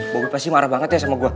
bobby pasti marah banget ya sama gua